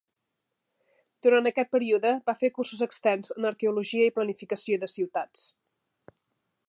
Durant aquest període, va fer cursos externs en Arqueologia i Planificació de ciutats.